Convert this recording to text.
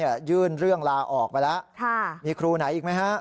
ยื่นเรื่องลาออกไปแล้วมีครูไหนอีกไหมฮะ